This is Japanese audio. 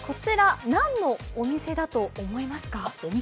こちら、何のお店だと思いますか？